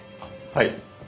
はい。